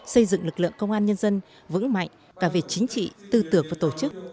xây dựng lực lượng công an nhân dân vững mạnh cả về chính trị tư tưởng và tổ chức